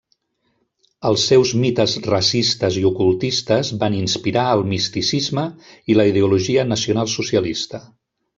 Els seus mites racistes i ocultistes van inspirar el misticisme i la ideologia nacionalsocialista.